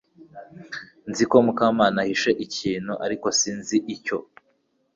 Nzi ko Mukamana ahishe ikintu ariko sinzi icyo